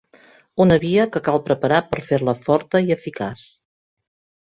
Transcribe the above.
Una via que cal preparar per fer-la forta i eficaç.